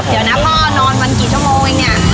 เดี๋ยวนะพ่อนอนวันกี่ชั่วโมงเองเนี่ย